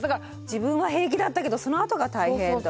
自分は平気だったけどそのあとが大変と。